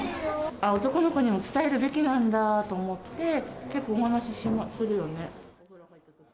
男の子にも伝えるべきなんだと思って、結構お話するよね？